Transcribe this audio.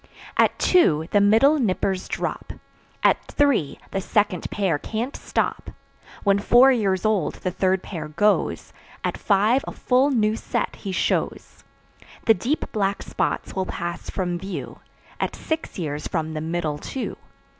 At two the middle "nippers" drop; At three, the second pair can't stop. When four years old the third pair goes; At five a full new set he shows. The deep black spots will pass from view At six years from the middle two.